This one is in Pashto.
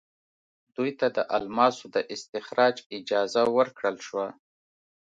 دوی ته د الماسو د استخراج اجازه ورکړل شوه.